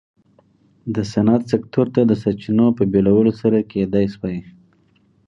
د صنعت سکتور ته د سرچینو په بېلولو سره کېدای شوای.